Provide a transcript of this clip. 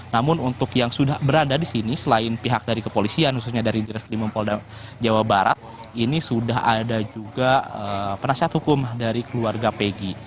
namun untuk yang sudah berada di sini selain pihak dari kepolisian khususnya dari direslimum polda jawa barat ini sudah ada juga penasihat hukum dari keluarga peggy